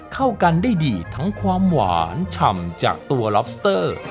เข้ากันได้ดีทั้งความหวานฉ่ำจากตัวล็อบสเตอร์